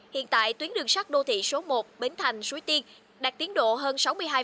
hiện tại tuyến đường sắt đô thị số một bến thành suối tiên đạt tiến độ hơn sáu mươi hai